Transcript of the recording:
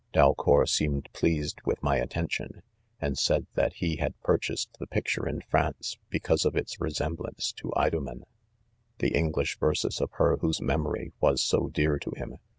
Balcour seemed pleased with my attention, and said that he had purchased the picture in France,. because of its resemblance to Idomen. The English verses of her whose memory was. so dear to .him